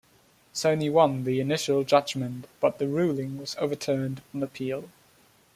Sony won the initial judgment, but the ruling was overturned on appeal.